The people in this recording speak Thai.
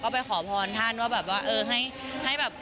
ก็ไปขอพรท่านว่าแบบว่า